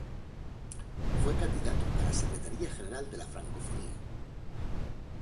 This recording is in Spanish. Fue candidato a la Secretaría General de la Francofonía.